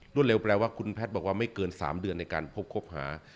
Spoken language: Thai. เร็วแปลว่าคุณแพทย์บอกว่าไม่เกิน๓เดือนในการพบคบหา